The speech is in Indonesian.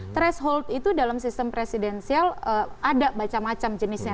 threshold itu dalam sistem presidensial ada macam macam jenisnya